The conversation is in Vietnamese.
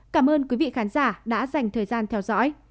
cảm ơn quý vị khán giả đã dành thời gian theo dõi